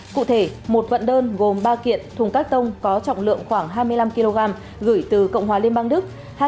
cụ thể một vận đơn gồm ba kiện thùng các tông có trọng lượng khoảng hai mươi năm kg gửi từ cộng hòa liên bang đức